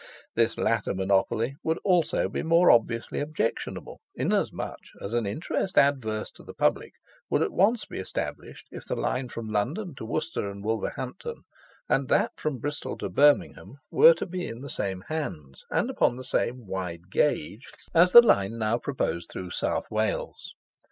This latter monopoly would also be more obviously objectionable, inasmuch as an interest adverse to the Public would at once be established if the line from London to Worcester and Wolverhampton, and that from Bristol to Birmingham, were to be in the same hands, and upon the same wide gauge, as the line now proposed through South Wales.